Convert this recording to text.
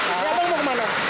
ini apa lo mau kemana